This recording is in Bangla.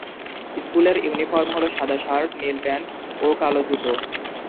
স্কুলের ইউনিফর্ম হল সাদা শার্ট, নীল প্যান্ট ও কালো জুতো।